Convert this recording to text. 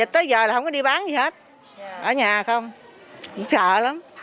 tới giờ là không có đi bán gì hết ở nhà không sợ lắm